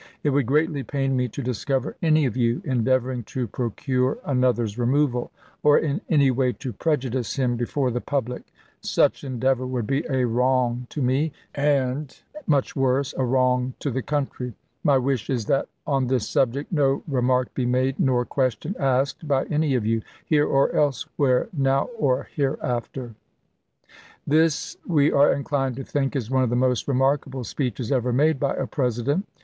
It would greatly pain me to discover any of you endeavoring to procure another's removal, or in any way to prejudice him before the public. Such endeavor would be a wrong to me, and, much worse, a wrong to the country. My wish is that on this subject no remark be made nor question asked by any of you, here or elsewhere, now or hereafter. 1 This, we are inclined to think, is one of the most remarkable speeches ever made by a President.